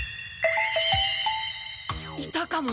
いたかも。